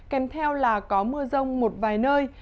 kèm theo là có mưa rông một vài nơi